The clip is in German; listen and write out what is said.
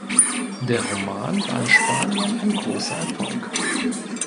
Der Roman war in Spanien ein großer Erfolg.